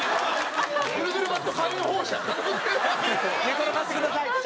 寝転がってください！